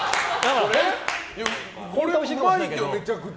うまいけど、めちゃくちゃ。